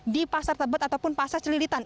di pasar tebet ataupun pasar celilitan